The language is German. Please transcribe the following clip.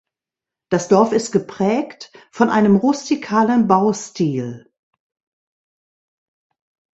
Das Dorf ist geprägt von einem rustikalen Baustil.